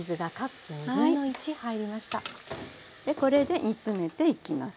これで煮詰めていきます。